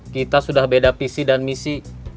kita sudah beda visi dan misi